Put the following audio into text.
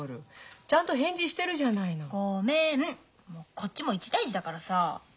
こっちも一大事だからさ。